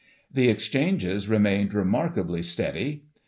The exchanges remained remarkably steady.